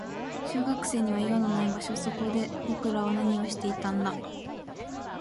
小学生には用のない場所。そこで僕らは何をしていたんだ。